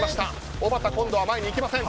おばた今度は前に行きません。